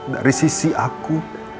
dari sisi aku